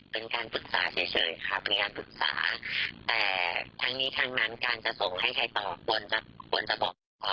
เป็นการปรึกษาเฉยค่ะแต่ทั้งนี้ทั้งนั้นการส่งให้ใครต่อควรจะบอกก่อนไหมค่ะ